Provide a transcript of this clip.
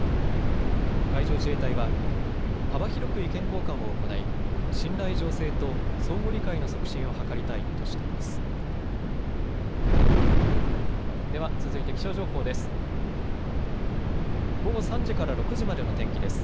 海上自衛隊は幅広く意見交換を行い、信頼醸成と相互理解の促進を図りたいとしています。